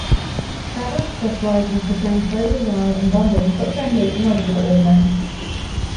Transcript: Travers specialized on portraying slightly wry and bumbling but friendly and loveable old men.